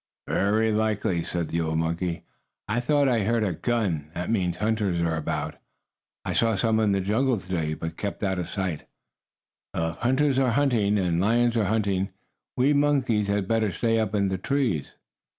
"Very likely," said the old monkey. "I thought I heard a gun. That means hunters are about. I saw some of them in the jungle to day, but I kept out of sight. Well, if hunters are hunting and lions are hunting, we monkeys had better stay up in the trees."